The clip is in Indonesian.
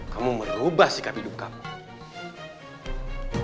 kamu merubah sikap hidup kamu